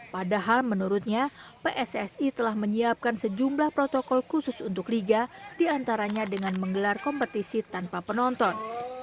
padahal menurutnya pssi telah menyiapkan sejumlah protokol khusus untuk liga diantaranya dengan